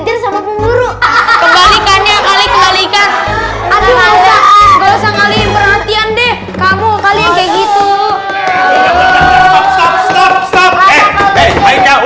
perhatian deh kamu kalian kayak gitu